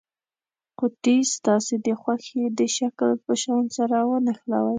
قطي ستاسې د خوښې د شکل په شان سره ونښلوئ.